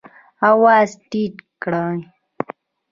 آواز ټیټ کړئ